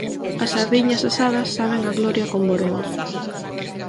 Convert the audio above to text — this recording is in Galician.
As sardiñas asadas saben a gloria con boroa.